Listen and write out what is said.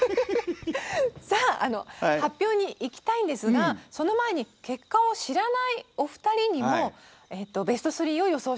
さあ発表にいきたいんですがその前に結果を知らないお二人にもベスト３を予想してもらいました。